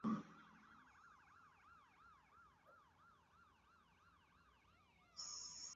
তবে কারও বিরুদ্ধে ফৌজদারি মামলা করা হয়েছে এমনটা জানা যায় না।